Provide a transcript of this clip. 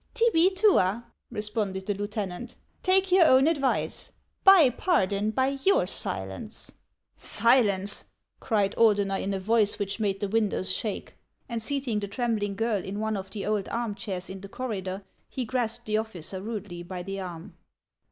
" Tibi tua," responded the lieutenant ;" take your own advice, — buy pardon by your silence !"" Silence !" cried Ordener in a voice which made the windows shake ; and seating the trembling girl in one of the old arm chairs in the corridor, he grasped the officer rudely by the arm.